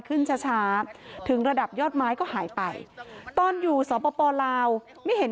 ขึ้นช้าถึงระดับยอดไม้ก็หายไปตอนอยู่สปลาวไม่เห็น